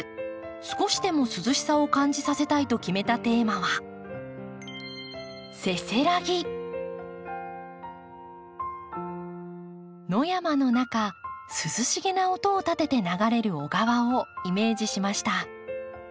少しでも涼しさを感じさせたいと決めたテーマは野山の中涼しげな音を立てて流れる小川をイメージしました。